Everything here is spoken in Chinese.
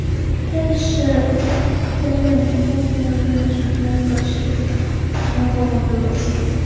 但是叶公陵园在建造中也存在拖欠农民工工资问题。